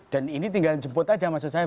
dan ini tinggal jemput aja maksud saya